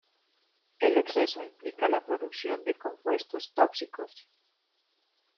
El exceso implica la producción de compuestos tóxicos.